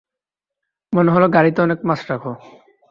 মনে হলো গাড়িতে অনেক মাছ রাখো।